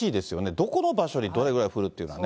どこの場所にどれぐらい降るっていうのはね。